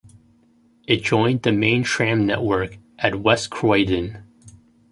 It joined the main tram network at West Croydon.